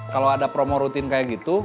kalau ada promo rutin kayak gitu